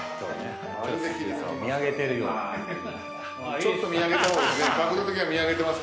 ちょっと見上げた方がいいです。